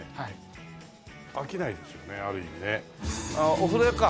お風呂屋か。